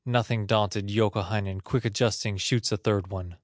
Nothing daunted, Youkahainen, Quick adjusting shoots a third one.